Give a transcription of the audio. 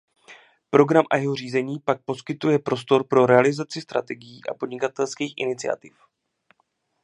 Program a jeho řízení pak poskytuje prostor pro realizaci strategií a podnikatelských iniciativ.